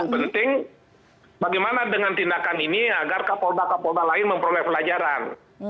yang penting bagaimana dengan tindakan ini agar kapolda kapolda lain memperoleh pelajaran